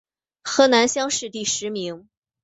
河南乡试第十名。